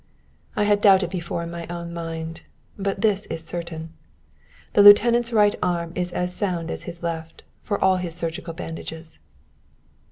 I had doubted before in my own mind, but this is certain. The lieutenant's right arm is as sound as his left, for all his surgical bandages.